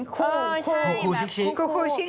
คู่คู่คู่คู่ชิค